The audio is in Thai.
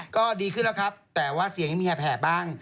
ก็ดีขึ้นแล้วครับแต่ว่าเสียงนี้มีไงแผ่บ้าง